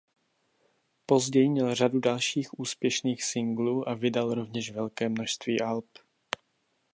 Později měl řadu dalších úspěšných singlů a vydal rovněž velké množství alb.